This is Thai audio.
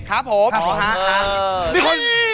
ครับผม